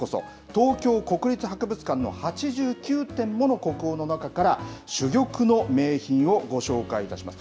東京国立博物館の８９点もの国宝の中から、珠玉の名品をご紹介いたします。